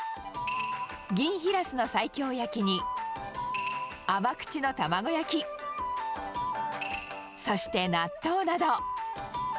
銀ヒラスの西京焼きに、甘口の卵焼き、そして納豆など。